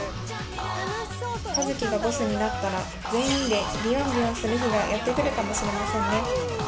カヅキがボスになったら全員でビヨンビヨンする日がやってくるかもしれませんね